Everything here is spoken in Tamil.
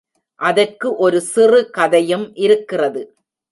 அதற்கு ஒரு சிறு கதையும் இருக்கிறது.